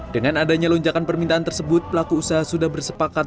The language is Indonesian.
dengan adanya lonjakan permintaan tersebut pelaku usaha sudah bersepakat